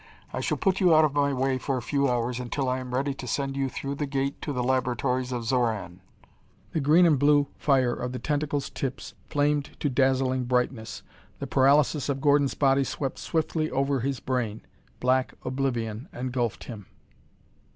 I shall put you out of my way for a few hours until I am ready to send you through the Gate to the laboratories of Xoran." The green and blue fire of the tentacle's tips flamed to dazzling brightness. The paralysis of Gordon's body swept swiftly over his brain. Black oblivion engulfed him.